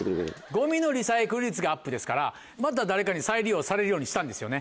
ゴミのリサイクル率がアップですからまた誰かに再利用されるようにしたんですよね。